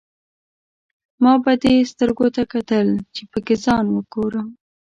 ما به دې سترګو ته کتل، چې پکې ځان وګورم.